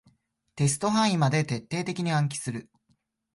テスト範囲まで徹底的に暗記する